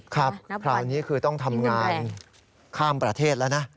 ครับคราวนี้คือต้องทำงานข้ามประเทศแล้วนะ